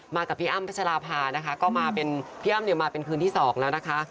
กับพี่อ้ำพัชราภานะคะก็มาเป็นพี่อ้ำเนี่ยมาเป็นคืนที่สองแล้วนะคะ